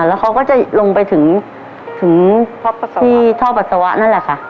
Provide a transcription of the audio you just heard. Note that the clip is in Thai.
แล้วเขาก็จะลงไปถึงที่ท่อปัสสาวะนั่นแหละค่ะ